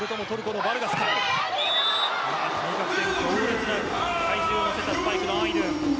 対角線、強烈な体重を乗せたスパイクのアイドゥン。